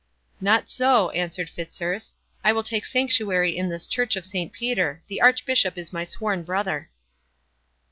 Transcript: "Not so," answered Fitzurse; "I will take sanctuary in this church of Saint Peter—the Archbishop is my sworn brother."